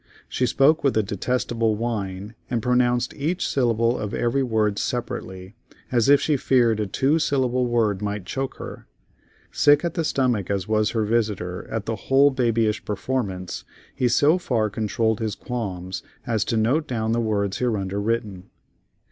She spoke with a detestable whine, and pronounced each syllable of every word separately, as if she feared a two syllable word might choke her. Sick at the stomach as was her visitor at the whole babyish performance, he so far controlled his qualms as to note down the words hereunder written.